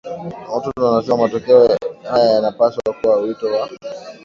na Horton wanasema matokeo haya yanapaswa kuwa wito wa